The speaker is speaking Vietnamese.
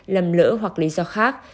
lầm lỡ hoặc lý do khác